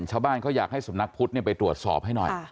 ชาวบ้านเขาอยากให้สำนักพุทธไปตรวจสอบให้หน่อย